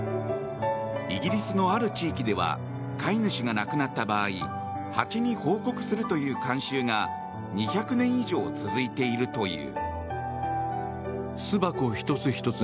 イギリスのある地域では飼い主が亡くなった場合ハチに報告するという慣習が２００年以上続いているという。